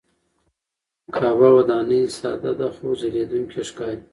کعبه وداني ساده ده خو ځلېدونکې ښکاري.